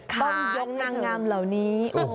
ขายกับนางงามเหล่านี้